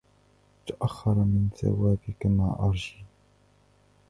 تأخر من ثوابك ما أرجي